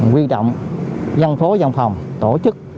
quy động dân phố dòng phòng tổ chức